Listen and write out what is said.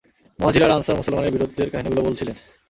মুহাজির আর আনসার মুসলমানের বীরত্বের কাহিনীগুলো বলছিলেন।